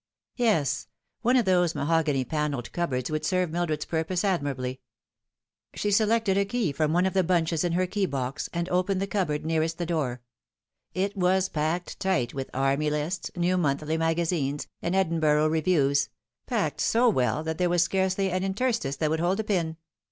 Yes, one of those mahogany panelled cupboards would serve Mildred's purpose admirably. She selected a key from one of the bunches in her keybox, and opened the cupboard nearest the door. It was packed tight with Army Lists, New Monthly Maga zines, and Edinburgh Reviews packed so well that there was scarcely an interstice that would hold a pin.